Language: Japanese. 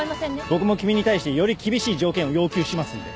僕も君に対してより厳しい条件を要求しますんで。